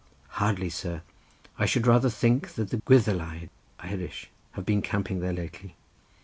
"Hardly, sir; I should rather think that the Gwyddeliad (Irish) have been camping there lately."